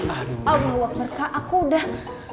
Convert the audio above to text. aduh wakmer kak aku udah